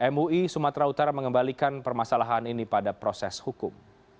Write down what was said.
mui sumatera utara mengembalikan permasalahan ini pada proses hukum